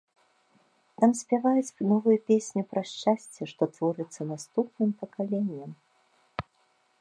Там спяваюць новую песню пра шчасце, што творыцца наступным пакаленням.